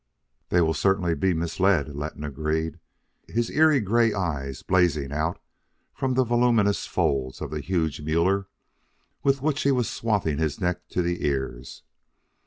"They will certainly be misled," Letton agreed, his eerie gray eyes blazing out from the voluminous folds of the huge Mueller with which he was swathing his neck to the ears.